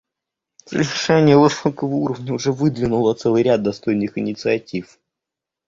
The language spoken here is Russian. Совещание высокого уровня уже выдвинуло целый ряд достойных инициатив.